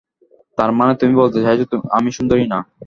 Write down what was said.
তারমানে তুমি বলতে চাইছো আমি সুন্দরী না?